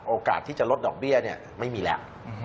โอกาสที่จะลดดอกเบี้ยไม่มีแล้ว